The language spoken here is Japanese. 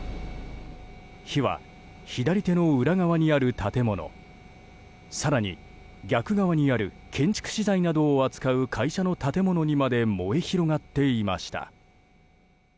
火は左手の裏側にある建物更に逆側にある建築資材などを扱う会社の建物にまで燃え広がっていました。